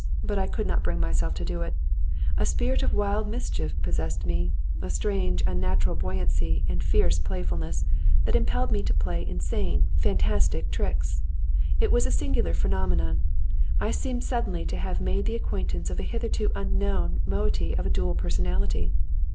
But I could not bring myself to do it. A spirit of wild mischief possessed me; a strange, unnatural buoyancy and fierce playfulness that impelled me to play insane, fantastic tricks. It was a singular phenomenon. I seemed suddenly to have made the acquaintance of a hitherto unknown moiety of a dual personality.